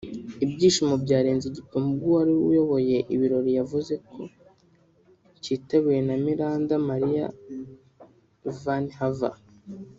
Ibyishimo byarenze igipimo ubwo uwari uyoboye ibirori yavuze ko cyitabiriwe na Miranda Marie Van Haver